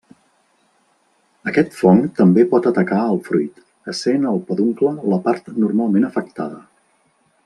Aquest fong també pot atacar al fruit, essent el peduncle la part normalment afectada.